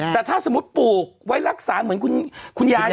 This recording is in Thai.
แต่ถ้าสมมุติปลูกไว้รักษาเหมือนคุณยาย